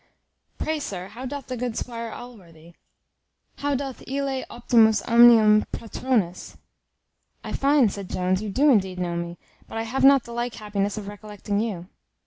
Pray, sir, how doth the good Squire Allworthy? how doth ille optimus omnium patronus?" "I find," said Jones, "you do indeed know me; but I have not the like happiness of recollecting you."